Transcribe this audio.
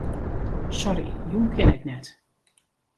Sorry, jûn kin ik net.